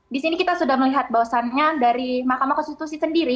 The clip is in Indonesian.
di sini kita sudah melihat bahwasannya dari mahkamah konstitusi sendiri